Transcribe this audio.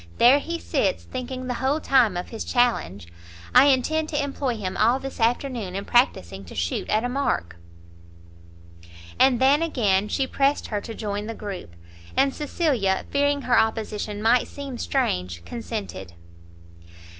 there he sits, thinking the whole time of his challenge! I intend to employ him all this afternoon in practising to shoot at a mark." And then again she pressed her to join the group, and Cecilia, fearing her opposition might seem strange, consented.